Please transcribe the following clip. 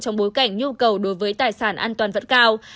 trong bối cảnh nhu cầu đối với tài sản an toàn vẫn cao